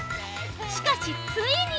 しかしついに！